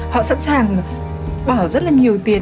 họ sẵn sàng bảo rất là nhiều tiền